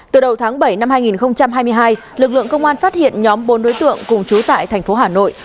từ đầu tháng bảy năm hai nghìn hai mươi hai lực lượng công an phát hiện nhóm bốn đối tượng cùng trú tại thành phố hà nội